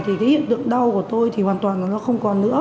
thì hiện tượng đau của tôi hoàn toàn không còn nữa